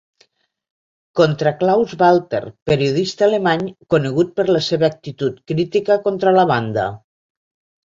Contra Klaus Walter, periodista alemany conegut per la seva actitud crítica contra la banda.